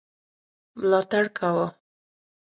ملاتړ کاوه.